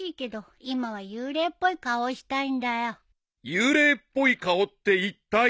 ［幽霊っぽい顔っていったい］